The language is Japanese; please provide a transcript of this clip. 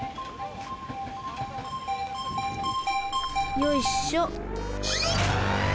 よいっしょ。